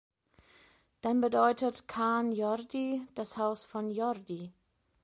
Dann bedeutet "Ca’n Jordi" „das Haus von Jordi“.